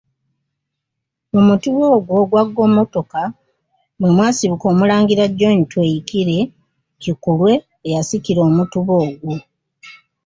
Mu mutuba ogwo ogwa Ggomotoka, mwe mwasibuka Omulangira John Tweyirike Kikulwe eyasikira Omutuba ogwo.